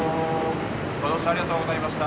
「ご乗車ありがとうございました。